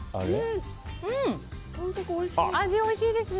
味おいしいですね。